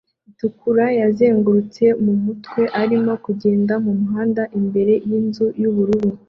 itukura yazengurutse mumutwe arimo kugenda mumuhanda imbere yinzu yubururu